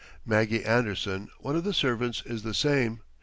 Maggie Anderson, one of the servants, is the same.